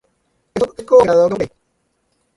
Es cooperador de Opus Dei.